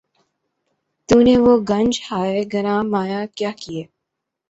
تو نے وہ گنج ہائے گراں مایہ کیا کیے